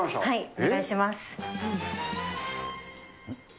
お願いします。